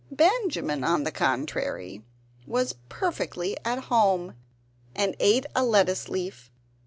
Benjamin, on the contrary, was perfectly at home, and ate a lettuce leaf.